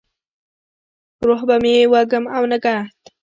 روح به مې وږم او نګهت،